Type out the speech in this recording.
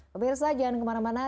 pemirsa jangan kemana mana